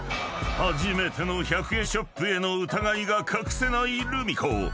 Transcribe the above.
［初めての１００円ショップへの疑いが隠せないルミ子］